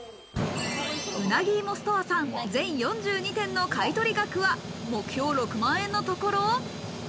うなぎいもストアさん、全４２点の買取額は目標６万円のところ。